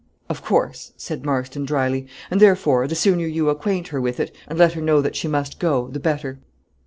"Of course," said Marston, drily; "and, therefore, the sooner you acquaint her with it, and let her know that she must go, the better."